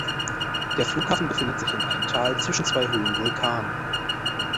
Der Flughafen befindet sich in einem Tal zwischen zwei hohen Vulkanen.